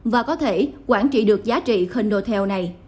và có thể quản trị được giá trị condotel này